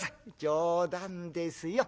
「冗談ですよ。